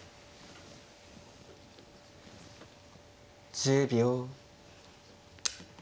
１０秒。